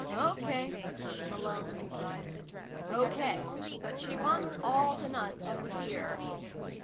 "Okay," Malone sighed. "Okay. But she wants all the nuts here."